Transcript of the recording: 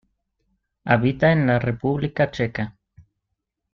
Habita en la República Checa.